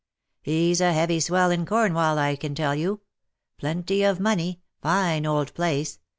^^ He''s a heavy swell in Cornwall, I can tell you. Plenty of money — fine old place.